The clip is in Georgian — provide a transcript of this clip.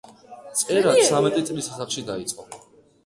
წერა ცამეტი წლის ასაკში დაიწყო.